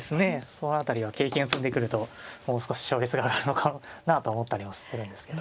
その辺りは経験積んでくるともう少し勝率が上がるのかなと思ったりもするんですけど